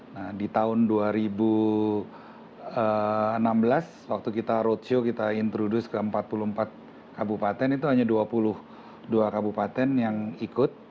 nah di tahun dua ribu enam belas waktu kita roadshow kita introduce ke empat puluh empat kabupaten itu hanya dua puluh dua kabupaten yang ikut